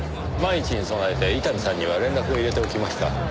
万一に備えて伊丹さんには連絡を入れておきました。